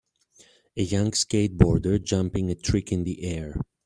a young skateboarder jumping a trick in the air.